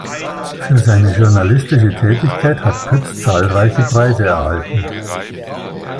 Für seine journalistische Tätigkeit hat Pütz zahlreiche Preise erhalten.